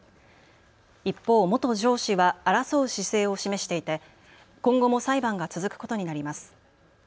一方、元上司は争う姿勢を示していて今後も裁判が続くことになります。